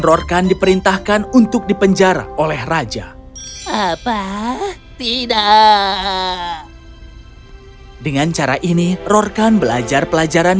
rorkan diperintahkan untuk dipenjara oleh raja apa tidak dengan cara ini rorkan belajar pelajaran